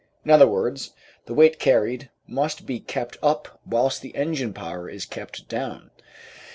In other words, the weight carried must be kept up whilst the engine power is kept down.